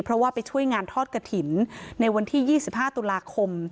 เพราะว่าไปช่วยงานทอดกระถิ่นในวันที่๒๕ตุลาคม